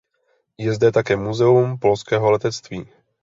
Je zde také Muzeum polského letectví.